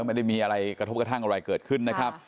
ไม่ได้มีอะไรกระทบกระทั่งอะไรเกิดขึ้นนะครับ